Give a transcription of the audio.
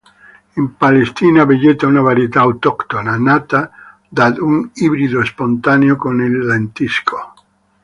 In Palestina vegeta una varietà autoctona, nata da un ibrido spontaneo con il lentisco.